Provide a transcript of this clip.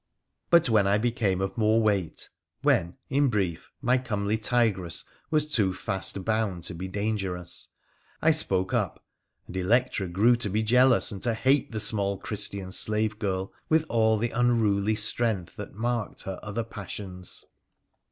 But when I became of more weight — when, in brief, my comely tigress was too fast bound to be dangerous — I spoke up, and Electra grew to be jealous and to hate the small Christian slave girl with all the unruly strength that marked her other passions.